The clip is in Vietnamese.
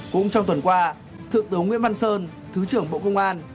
cũng trong tuần qua thượng tướng nguyễn văn sơn thứ trưởng bộ công an